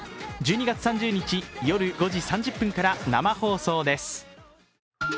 １２月３０日夜５時３０分から生放送です。